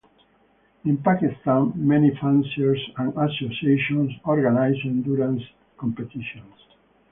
In Pakistan many fanciers and associations organize endurance competitions.